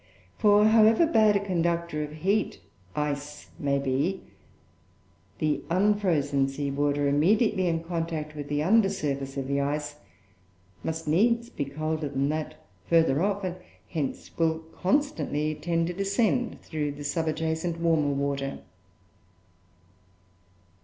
For, however bad a conductor of heat ice may be, the unfrozen sea water immediately in contact with the undersurface of the ice must needs be colder than that further off; and hence will constantly tend to descend through the subjacent warmer water.